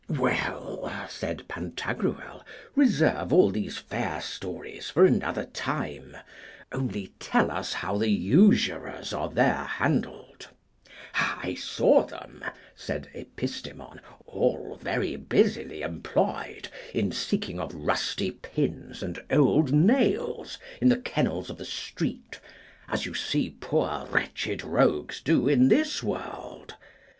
Well, said Pantagruel, reserve all these fair stories for another time, only tell us how the usurers are there handled. I saw them, said Epistemon, all very busily employed in seeking of rusty pins and old nails in the kennels of the streets, as you see poor wretched rogues do in this world.